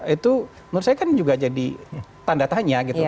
itu menurut saya kan juga jadi tanda tanya gitu